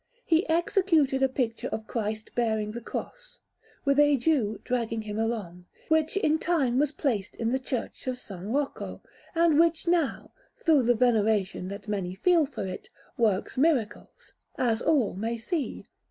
He executed a picture of Christ bearing the Cross, with a Jew dragging him along, which in time was placed in the Church of S. Rocco, and which now, through the veneration that many feel for it, works miracles, as all may see.